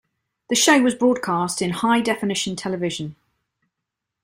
The show was broadcast in high definition television.